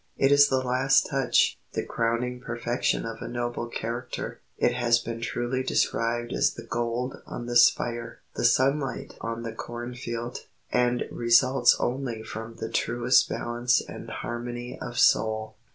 It is the last touch, the crowning perfection of a noble character; it has been truly described as the gold on the spire, the sunlight on the corn field, and results only from the truest balance and harmony of soul.